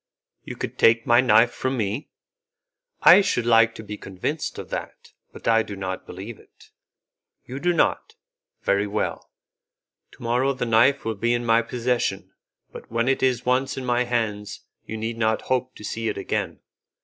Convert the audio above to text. "You could take my knife from me? I should like to be convinced of that, but I do not believe it." "You do not? Very well, to morrow the knife will be in my possession, but when it is once in my hands you need not hope to see it again.